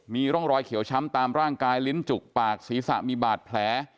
มีร่องรอยเขียวช้ำตามร่างกายลิ้นจุกปากศีรษะมีบาดแผล